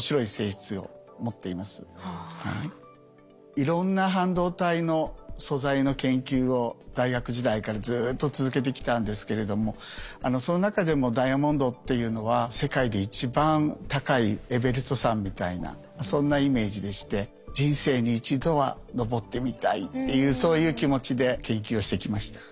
いろんな半導体の素材の研究を大学時代からずっと続けてきたんですけれどもその中でもダイヤモンドっていうのは世界で一番高いエベレスト山みたいなそんなイメージでして人生に一度は登ってみたいっていうそういう気持ちで研究をしてきました。